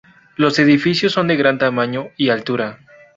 Los edificios son de gran tamaño y altura.